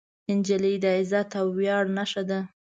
نجلۍ د عزت او ویاړ نښه ده.